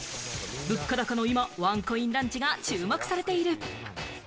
物価高の今、ワンコインランチが注目されている。